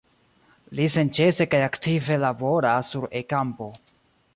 Li senĉese kaj aktive laboras sur E-kampo.